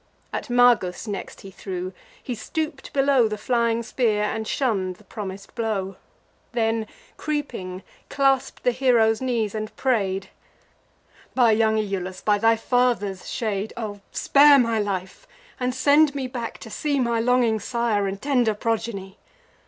At Magus next he threw: he stoop'd below The flying spear, and shunn'd the promis'd blow; Then, creeping, clasp'd the hero's knees, and pray'd: "By young Iulus, by thy father's shade, O spare my life, and send me back to see My longing sire, and tender progeny!